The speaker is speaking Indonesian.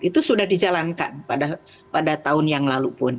itu sudah dijalankan pada tahun yang lalu pun